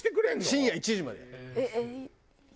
深夜１時まで。